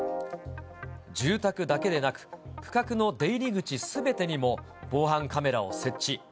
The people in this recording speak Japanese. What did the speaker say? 住宅だけでなく、区画の出入り口すべてにも、防犯カメラを設置。